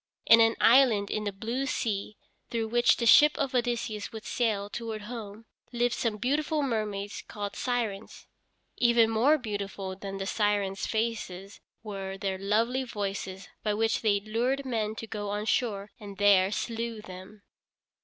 In an island in the blue sea through which the ship of Odysseus would sail toward home, lived some beautiful mermaids called Sirens. Even more beautiful than the Sirens' faces were their lovely voices by which they lured men to go on shore and there slew them.